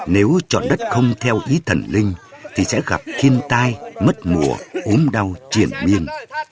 nếu chọn đất không theo ý thần linh thì sẽ gặp thiên tai mất mùa ốm đau triển miên